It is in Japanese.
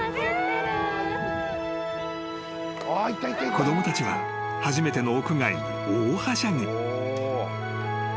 ［子供たちは初めての屋外に大はしゃぎ］